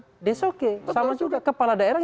that's okay sama juga kepala daerah